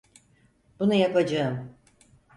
Bunu yapacağım.